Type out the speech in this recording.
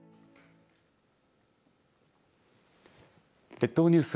列島ニュース